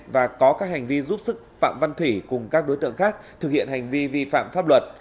và có các hành vi giúp sức phạm văn thủy cùng các đối tượng khác thực hiện hành vi vi phạm pháp luật